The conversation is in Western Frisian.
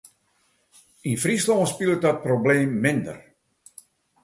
Yn Fryslân spilet dat probleem minder.